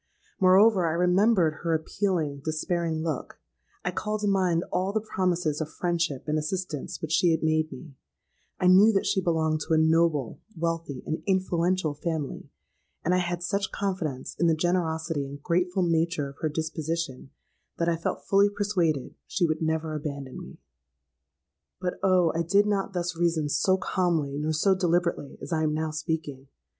Moreover, I remembered her appealing, despairing look;—I called to mind all the promises of friendship and assistance which she had made me; I knew that she belonged to a noble, wealthy, and influential family; and I had such confidence in the generosity and grateful nature of her disposition, that I felt fully persuaded she would never abandon me. "But, oh! I did not thus reason so calmly nor so deliberately as I am now speaking.